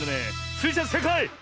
スイちゃんせいかい！